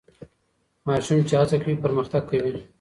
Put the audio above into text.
ماشوم چي هڅه کوي پرمختګ کوي.